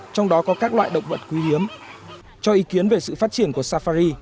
trong đó có các loại động vật quý hiếm cho ý kiến về sự phát triển của safari